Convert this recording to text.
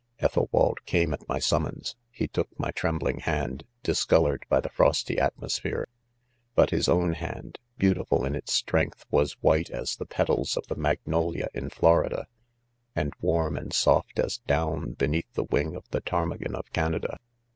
, j Ethelwald .came at my summons, he tpok my, trembling. hand, discolored: by the frosty, atmosphere,, but jbig. own hand, , beauti , ful .m its strength, , was white as .the petals , of the: magnqlia of Florida, and warm and ,soft . as. down,, beneath ,ttie wing, of ,the ptarmigan^ of Canada.